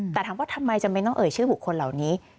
แต่ถามว่าทำไมจำเป็นต้องเอ่ยชื่อบุคคลเหล่านี้